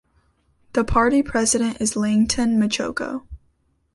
The party president is Langton Machoko.